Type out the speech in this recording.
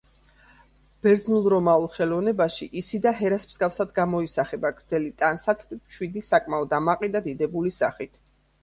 ბერძნულ–რომაულ ხელოვნებაში ისიდა ჰერას მსგავსად გამოისახება: გრძელი ტანსაცმლით, მშვიდი, საკმაოდ ამაყი და დიდებული სახით.